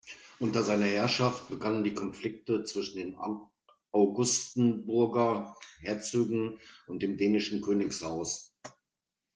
Unter seiner Herrschaft begannen die Konflikte zwischen den Augustenburger Herzögen und dem dänischen Königshaus.